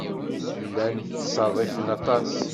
Llan ttṣerrifen aṭas.